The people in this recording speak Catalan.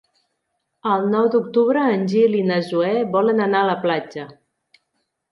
El nou d'octubre en Gil i na Zoè volen anar a la platja.